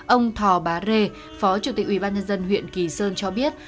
ông thò bá rê phó chủ tịch ubnd huyện kỳ sơn cho biết